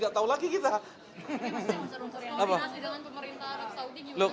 tapi mas koordinasi dengan pemerintah saudi gimana